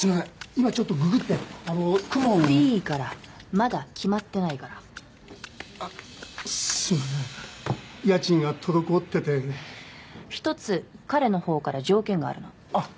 今ちょっとググって公文いいからまだ決まってないからあっすいません家賃が滞ってて一つ彼のほうから条件があるのあっ